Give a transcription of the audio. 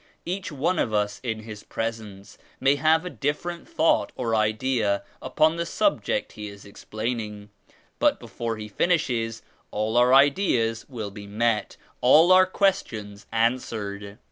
Each one of us in his presence may have a differ ent thought or idea upon the subject he is ex plaining but before he finishes, all our ideas, will be met, all our questions answered.